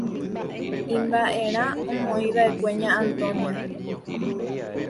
Imba'erã omoĩva'ekue Ña Antonia.